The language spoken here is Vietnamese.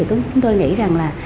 thì chúng tôi nghĩ rằng là